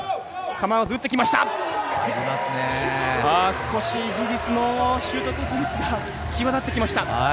少しイギリスのシュート確率が際立ってきました。